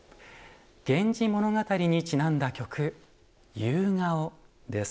「源氏物語」にちなんだ曲「夕顔」です。